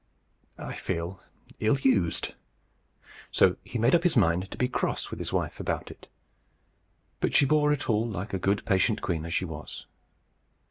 I feel ill used." So he made up his mind to be cross with his wife about it. But she bore it all like a good patient queen as she was.